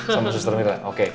sama suster mirna oke